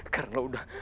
karena lu udah